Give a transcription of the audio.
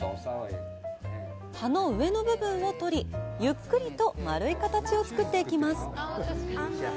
葉の上の部分を取り、ゆっくりと丸い形を作っていきます。